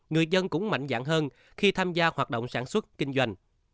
người dân cũng mạnh dạng hơn khi tham gia hoạt động sản xuất kinh doanh